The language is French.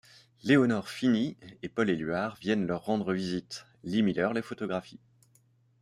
Leonor Fini et Paul Éluard viennent leur rendre visite, Lee Miller les photographie.